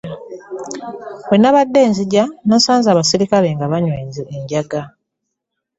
Bwenabade nzigya nasanze abasirikale nga banywa enjaga.